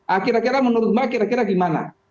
akhirnya menurut mbak kira kira gimana